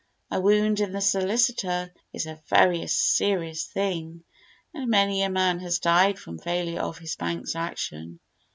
A wound in the solicitor is a very serious thing, and many a man has died from failure of his bank's action.